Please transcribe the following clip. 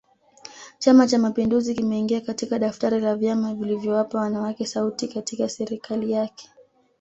Chama Cha mapinduzi kimeingia katika daftari la vyama vilivyowapa wanawake sauti katika serikali yake